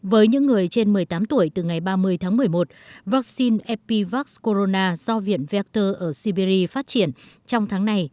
với những người trên một mươi tám tuổi từ ngày ba mươi tháng một mươi một vaccine epivax corona do viện vector ở siberia phát triển trong tháng này